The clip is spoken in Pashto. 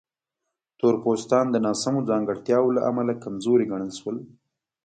تور پوستان د ناسمو ځانګړتیاوو له امله کمزوري ګڼل شول.